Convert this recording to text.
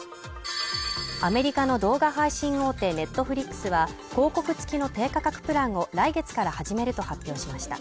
アメリカの動画配信大手Ｎｅｔｆｌｉｘは広告付きの低価格プランを来月から始めると発表しました